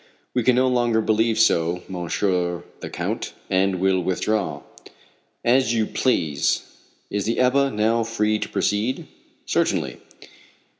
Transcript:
"We can no longer believe so, Monsieur the Count, and will withdraw." "As you please. Is the Ebba now free to proceed?" "Certainly."